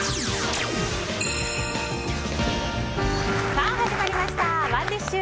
さあ、始まりましたＯｎｅＤｉｓｈ。